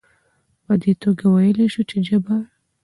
په دي توګه ويلايي شو چې ژبه